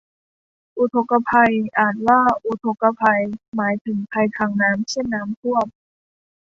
อุทกภัย อ่านว่าอุทกกะไพ หมายถึงภัยทางน้ำ เช่นน้ำท่วม